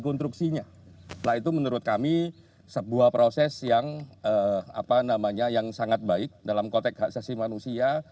nah itu menurut kami sebuah proses yang apa namanya yang sangat baik dalam kotek haksasi manusia